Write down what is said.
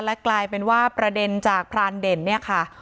และกลายเป็นว่าประเด็นจากพรานเด่นเนี่ยค่ะ